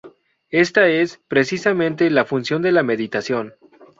Ésta es, precisamente, la función de la meditación.